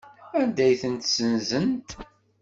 Anda ay ten-ssenzent?